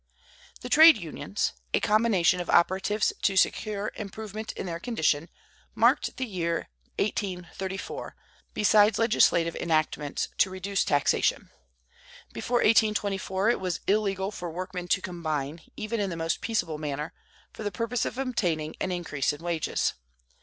The Trade Unions (a combination of operatives to secure improvement in their condition) marked the year 1834, besides legislative enactments to reduce taxation. Before 1824 it was illegal for workmen to combine, even in the most peaceable manner, for the purpose of obtaining an increase of wages.